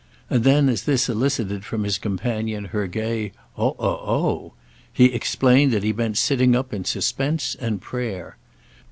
And then as this elicited from his companion her gay "Oh, oh, oh!" he explained that he meant sitting up in suspense and prayer.